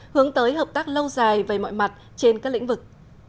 hướng tới hợp tác lâu dài về mọi mặt trên các lĩnh vực